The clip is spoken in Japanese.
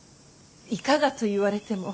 いかがと言われても。